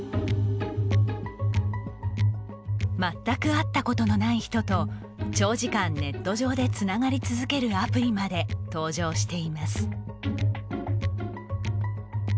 全く会ったことのない人と長時間、ネット上でつながり続けるアプリまで登場しています。